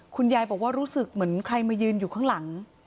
คุณยายบอกว่ารู้สึกเหมือนใครมายืนอยู่ข้างหลัง